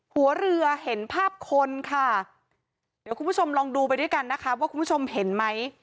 หัวเรือเห็นภาพคนค่ะเดี๋ยวคุณผู้ชมลองดูไปด้วยกันนะคะว่าคุณผู้ชมเห็นไหม